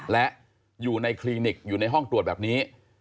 และอยู่ในคลินิกอยู่ในห้องตรวจแบบนี้